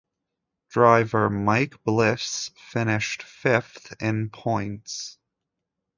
Driver Mike Bliss finished fifth in points.